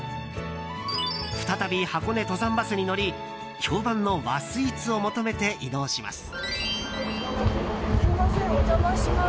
再び箱根登山バスに乗り評判の和スイーツを求めて移動します。